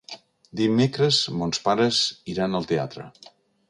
Dimecres mons pares iran al teatre.